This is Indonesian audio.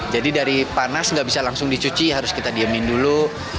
jadi dari panas tidak bisa langsung dicuci harus kita diamkan dulu